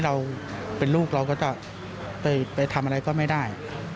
เราเป็นลูกเราก็จะไปทำอะไรก็ไม่ได้